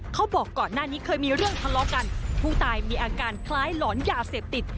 บอกก่อนหน้านี้เคยมีเรื่องทะเลาะกันผู้ตายมีอาการคล้ายหลอนยาเสพติด